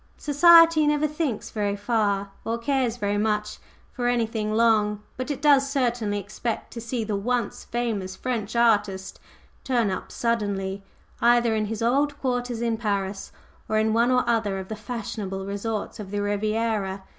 Society never thinks very far or cares very much for anything long, but it does certainly expect to see the once famous French artist "turn up" suddenly, either in his old quarters in Paris, or in one or the other of the fashionable resorts of the Riviera.